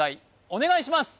お願いします！